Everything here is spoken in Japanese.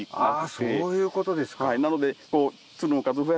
あそういうことですか。